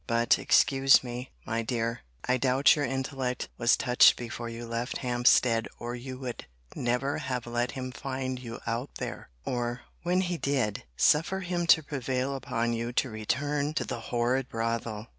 But, excuse me, my dear, I doubt your intellect was touched before you left Hampstead: or you would never have let him find you out there; or, when he did, suffer him to prevail upon you to return to the horrid brothel.